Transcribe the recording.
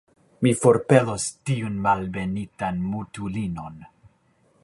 Mi forpelos tiun malbenitan mutulinon!